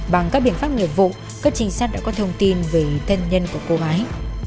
bằng các biện pháp nghiệp vụ các trinh sát đã có thông tin về thân nhân của cô gái